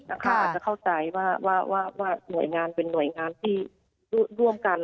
อาจจะเข้าใจว่าหน่วยงานเป็นหน่วยงานที่ร่วมกัน